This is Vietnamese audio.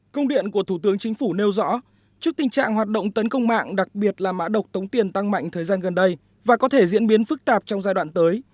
công điện của thủ tướng chính phủ nêu rõ trước tình trạng hoạt động tấn công mạng đặc biệt là mã độc tống tiền tăng mạnh thời gian gần đây và có thể diễn biến phức tạp trong giai đoạn tới